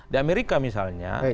di amerika misalnya